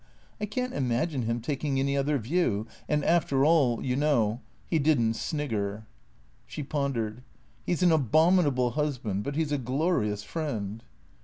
J can't imagine him taking any other view. And after all, you know, he did n't snigger." She pondered. " He 's an abominable husband, but he 's a glorious friend."